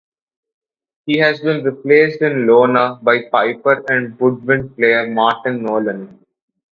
He has been replaced in Iona by piper and woodwind player Martin Nolan.